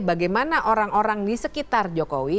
bagaimana orang orang di sekitar jokowi